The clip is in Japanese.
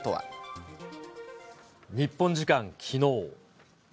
日本時間きのう。